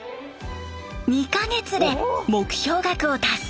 ２か月で目標額を達成！